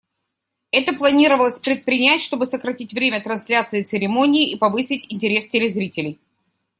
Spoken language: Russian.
Это планировалось предпринять, чтобы сократить время трансляции церемонии и повысить интерес телезрителей.